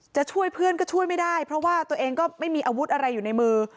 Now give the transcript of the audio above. จะช่วยเพื่อนก็ช่วยไม่ได้เพราะว่าตัวเองก็ไม่มีอาวุธอะไรอยู่ในมือ